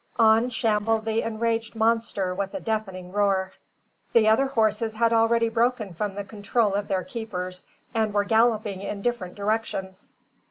On shambled the enraged monster with a deafening roar. The other horses had already broken from the control of their keepers, and were galloping in different directions.